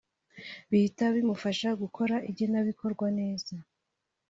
bihita bimufasha gukora igenabikorwa neza